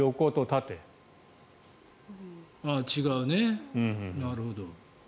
ああ、違うね、なるほど。